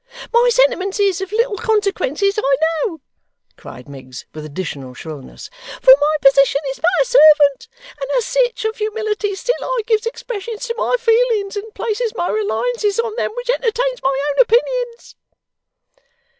My sentiments is of little consequences, I know,' cried Miggs, with additional shrillness, 'for my positions is but a servant, and as sich, of humilities, still I gives expressions to my feelings, and places my reliances on them which entertains my own opinions!